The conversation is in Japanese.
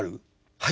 はい。